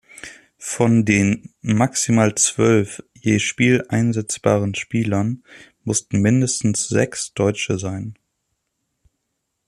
Von den maximal zwölf je Spiel einsetzbaren Spielern mussten mindestens sechs Deutsche sein.